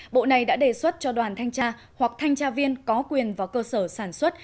bộ này đã đề xuất cho đoàn thanh tra hoặc thanh tra viên có quyền vào cơ sở sản xuất